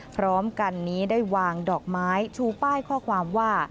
พร้อมกันนี้ได้วางดอกไม้ชูป้ายข้อความว่า